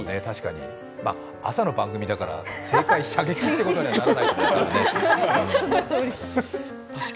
朝の番組だから正解は射撃ということにはならないだろうね。